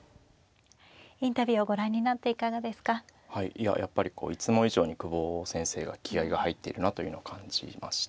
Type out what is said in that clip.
いややっぱりこういつも以上に久保先生が気合いが入っているなというのは感じました。